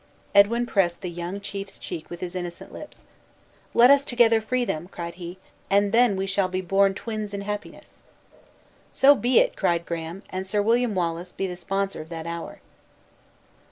Edwin pressed the young chief's cheek with his innocent lips; "Let us, together, free them;" cried he' "and then we shall be born twins in happiness." "So be it," cried Graham; "and Sir William Wallace be the sponser of that hour!"